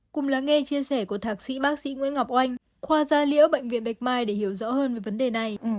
cùng lắng nghe chia sẻ của thạc sĩ bác sĩ nguyễn ngọc oanh khoa gia liễu bệnh viện bạch mai để hiểu rõ hơn về vấn đề này